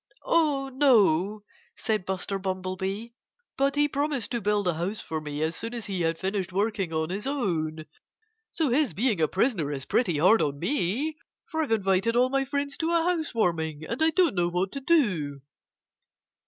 "Oh, no!" said Buster Bumblebee. "But he promised to build a house for me as soon as he had finished working on his own. So his being a prisoner is pretty hard on me. For I've invited all my friends to a house warming and I don't know what to do."